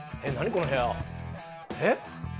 この部屋え？